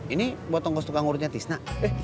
ini buat ongkos tukang urutnya disna